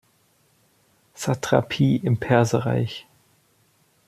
Satrapie im Perserreich.